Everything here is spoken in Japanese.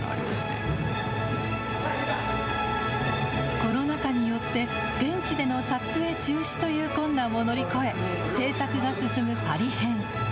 コロナ禍によって、現地での撮影中止という困難を乗り越え、制作が進むパリ編。